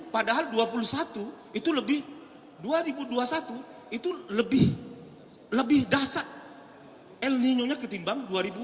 padahal dua ribu dua puluh satu itu lebih dasar el nino nya ketimbang dua ribu dua